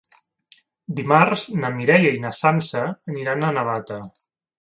Dimarts na Mireia i na Sança aniran a Navata.